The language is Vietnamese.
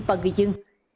và người dân